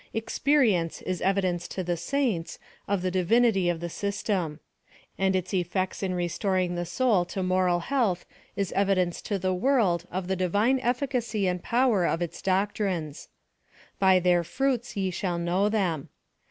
Experience is evidence to the saints of the Divinity of the system. And its eifects in re storing the soul to moral health is evidence to the world of the Divine efficacy and power of its doc trines. " By their fruits, ye shall know them."